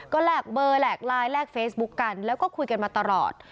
ก็แลกเบอร์แหลกไลน์แลกเฟซบุ๊กกันแล้วก็คุยกันมาตลอด